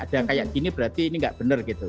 ada kayak gini berarti ini nggak benar gitu